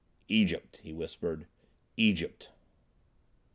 "Egypt," he whispered, "Egypt!"